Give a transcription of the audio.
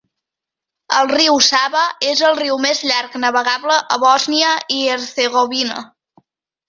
El riu Sava és el riu més llarg navegable a Bòsnia i Hercegovina.